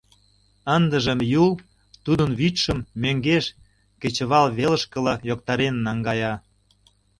Ындыжым Юл тудын вӱдшым мӧҥгеш кечывалвелышкыла йоктарен наҥгая.